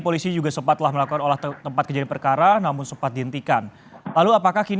pada minggu pagi tadi polisi melakukan olah tkp di lokasi kecelakaan bus di lembah sarimasyater subang jawa barat ini